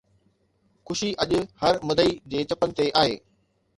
خوشي اڄ هر مدعي جي چپن تي آهي